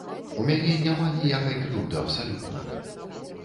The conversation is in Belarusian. У мяне няма ніякай крыўды абсалютна.